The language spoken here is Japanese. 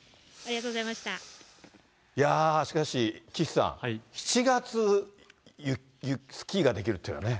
いやー、しかし岸さん、７月、スキーができるっていうのはね。